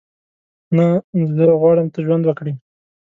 نه، زه غواړم ته ژوند وکړې.